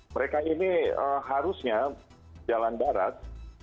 mereka ini harusnya jalan darat